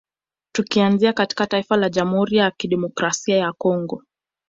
Tukianzia katika taifa la Jamhuri ya Kidemokrasaia ya Congo